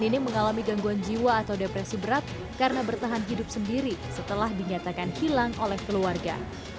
ini mengalami gangguan jiwa atau depresi berat karena bertahan hidup sendiri setelah dinyatakan hilang oleh keluarga